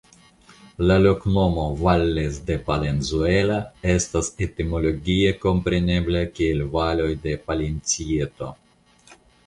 La loknomo "Valles de Palenzuela" estas etimologie komprenebla kiel "Valoj de Palencieto".